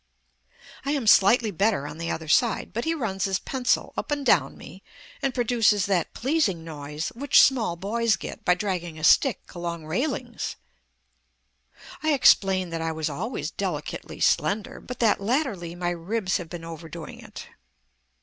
I am slightly better on the other side, but he runs his pencil up and down me and produces that pleasing noise which small boys get by dragging a stick along railings. I explain that I was always delicately slender, but that latterly my ribs have been overdoing it.